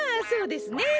そうですね。